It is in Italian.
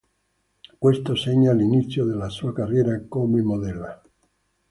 Questo segna l'inizio della sua carriera come modella.